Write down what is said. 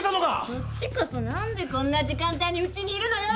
そっちこそ何でこんな時間帯にうちにいるのよ！